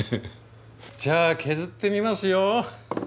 じゃあ削ってみますよ。